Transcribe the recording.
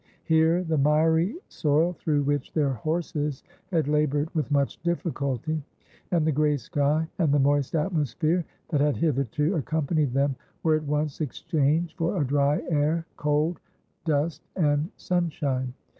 Here the miry soil through which their horses had laboured with much difficulty, and the grey sky, and the moist atmosphere that had hitherto accompanied them, were at once exchanged for a dry air, cold, dust, and sunshine.